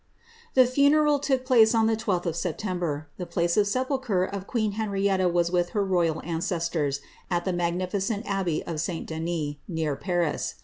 The funeral took place on the 12th of September; the place of sepul* ure of queen Henrietta was with her royal ancestors at the magnificent kbbey of St Denis, near Paris.